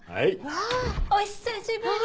わ！お久しぶり！